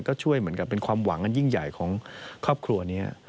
ก็ช่วยเหมือนกับเป็นความหวังอันยิ่งใหญ่ของครอบครัวนี้